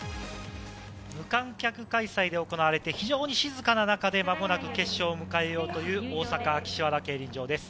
無観客開催で行われて、非常に静かな中で間もなく決勝を迎えようという大阪・岸和田競輪場です。